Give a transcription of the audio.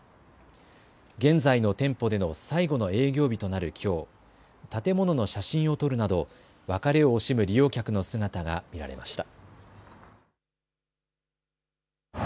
現在の店舗での最後の営業日となるきょう、建物の写真を撮るなど別れを惜しむ利用客の姿が見られました。